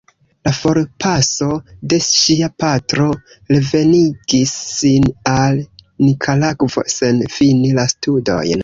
La forpaso de ŝia patro revenigis sin al Nikaragvo sen fini la studojn.